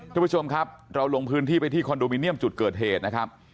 ทุกผู้ชมครับเราลงพื้นที่ไปที่คอนโดมิเนียมจุดเกิดเหตุนะครับ